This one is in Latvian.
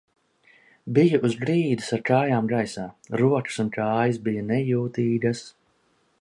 Biju uz grīdas ar kājām gaisā. Rokas un kājas bija nejūtīgas.